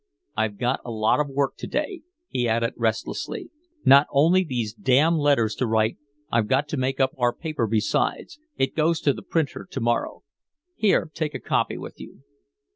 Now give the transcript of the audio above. "I've got a lot of work to day," he added restlessly. "Not only these damn letters to write I've got to make up our paper besides it goes to the printer to morrow. Here, take a copy with you."